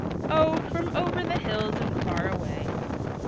"Oh, from over the hills and far away."